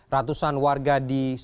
ratusan warga diselamatkan